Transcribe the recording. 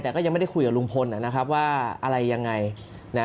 แต่ก็ยังไม่ได้คุยกับลุงพลนะครับว่าอะไรยังไงนะ